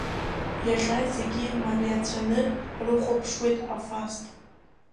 Иахьа зегьы мариацәаны ҳрыхәаԥшуеит, афаст…